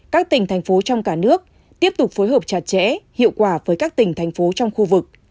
các tỉnh thành phố trong cả nước tiếp tục phối hợp chặt chẽ hiệu quả với các tỉnh thành phố trong khu vực